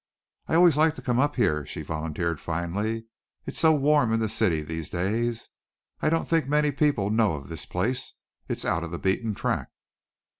"I always like to come up here," she volunteered finally. "It's so warm in the city these days. I don't think many people know of this place. It's out of the beaten track."